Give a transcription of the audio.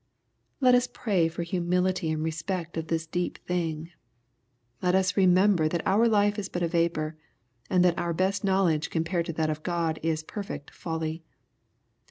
Let us pray for humility in respect of this deep thing. Let us remember that our life is but a vapor, and that our best knowledge compared to that of God is perfect folly.